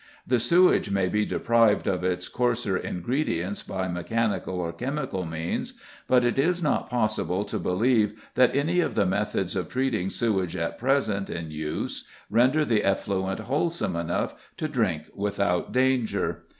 The sewage may be deprived of its coarser ingredients by mechanical or chemical means, but it is not possible to believe that any of the methods of treating sewage at present in use render the effluent wholesome enough to drink without danger.